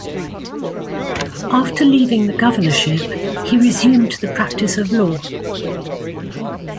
After leaving the governorship, he resumed the practice of law.